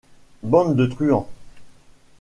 Bande de truands.